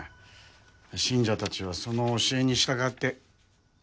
信者たちはその教えに従って。